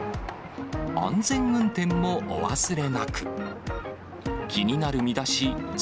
安全運転もお忘れなく。